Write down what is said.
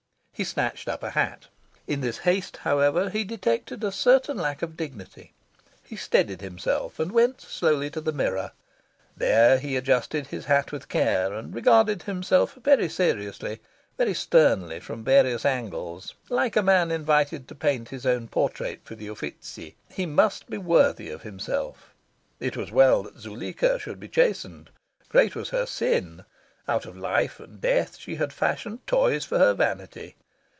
He snatched up a hat. In this haste, however, he detected a certain lack of dignity. He steadied himself, and went slowly to the mirror. There he adjusted his hat with care, and regarded himself very seriously, very sternly, from various angles, like a man invited to paint his own portrait for the Uffizi. He must be worthy of himself. It was well that Zuleika should be chastened. Great was her sin. Out of life and death she had fashioned toys for her vanity.